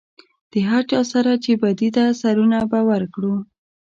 د هر چا سره چې بدي ده سرونه به ورکړو.